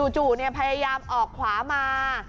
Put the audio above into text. จู่พยายามออกขวามา